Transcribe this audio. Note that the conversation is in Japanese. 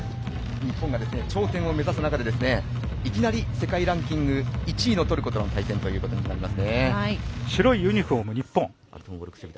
日本が頂点を目指す中でいきなり世界ランキング１位のトルコと対戦ということになります。